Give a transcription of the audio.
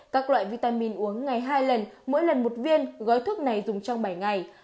các loại vitamin uống ngày hai lần mỗi lần một viên gói thuốc này dùng trong bảy ngày